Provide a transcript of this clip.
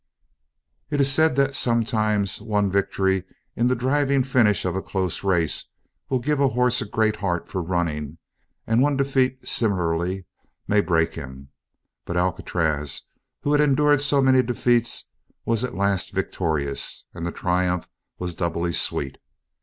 It is said that sometimes one victory in the driving finish of a close race will give a horse a great heart for running and one defeat, similarly, may break him. But Alcatraz, who had endured so many defeats, was at last victorious and the triumph was doubly sweet.